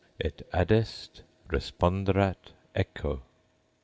et, adest, responderat echo.